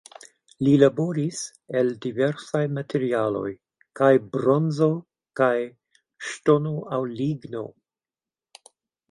Li laboris el diversaj materialoj, kaj bronzo kaj ŝtono aŭ ligno.